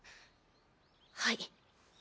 はい。